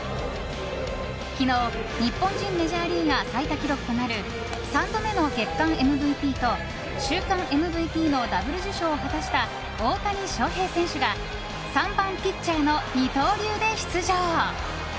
昨日、日本人メジャーリーガー最多記録となる３度目の月間ＭＶＰと週間ＭＶＰのダブル受賞を果たした大谷翔平選手が３番ピッチャーの二刀流で出場。